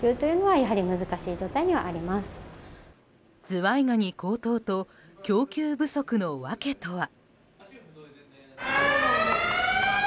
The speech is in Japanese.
ズワイガニ高騰と供給不足の訳とは。